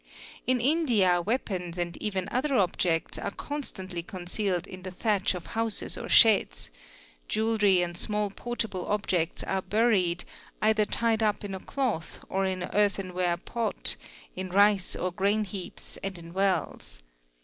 In India weapons and even. other objects are constantly concealed in the thatch of houses or sheds; _ jewellery and small portable objects are buried, either tied up in a cloth or in an earthernware pot, in rice or grain heaps and in wells.